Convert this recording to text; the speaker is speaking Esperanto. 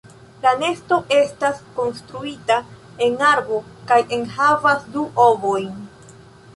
La nesto estas konstruita en arbo, kaj enhavas du ovojn.